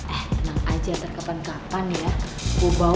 eh tenang aja ntar kapan kapan ya